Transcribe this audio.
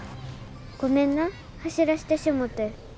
ごめんな走らしてしもて。